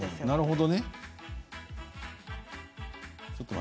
なるほどね。